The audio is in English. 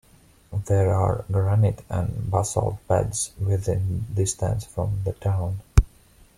There are granite and basalt beds within distance from the town.